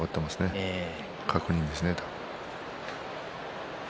確認ですね。